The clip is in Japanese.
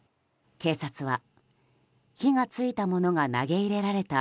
警察は火が付いたものが投げ入れられた